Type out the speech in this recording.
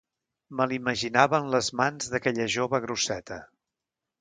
Me l’imaginava en les mans d’aquella jove grosseta.